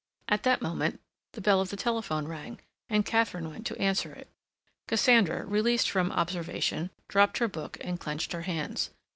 At that moment the bell of the telephone rang and Katharine went to answer it. Cassandra, released from observation, dropped her book and clenched her hands.